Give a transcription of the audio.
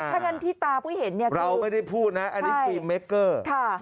อ๋อถ้างั้นที่ตาพูดเห็นเราไม่ได้พูดนะอันนี้ฟรีมเมกเกอร์